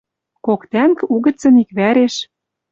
Кок тӓнг угӹцӹн иквӓреш